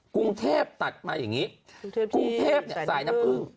กรุงเทพฯสายน้ำผึ้ง